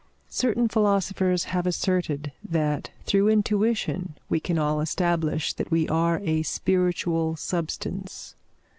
Certain philosophers have asserted that through intuition we can all establish that we are a spiritual substance.